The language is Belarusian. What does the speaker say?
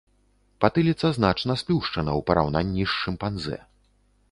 Патыліца значна сплюшчана ў параўнанні з шымпанзэ.